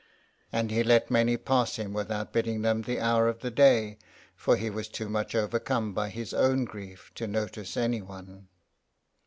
And he let many pass him without bidding them the hour of the day, for he was too much overcome by his own grief to notice any one.